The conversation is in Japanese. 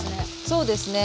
そうですね。